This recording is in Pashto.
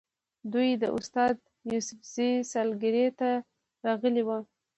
دوی د استاد یوسفزي سالګرې ته راغلي وو.